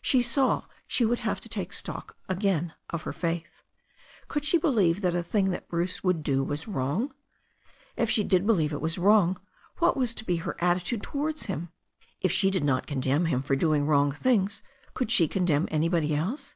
She saw she would have to take stock again of her faith. Could she believe that a thing that Bruce would do was wrong? If she did believe it was wrong what was to be her attitude towards him ? If she did not condemn him for doing wrong things could she condemn anybody else?